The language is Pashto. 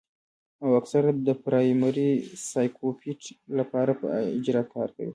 او اکثر د پرائمري سايکوپېت له پاره پۀ اجرت کار کوي